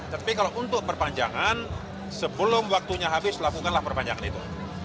tapi kalau untuk perpanjangan sebelum waktunya habis lakukanlah perpanjangan itu